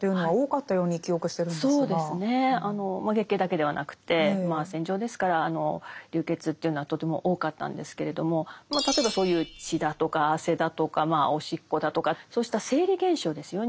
月経だけではなくてまあ戦場ですから流血というのはとても多かったんですけれども例えばそういう血だとか汗だとかおしっこだとかそうした生理現象ですよね。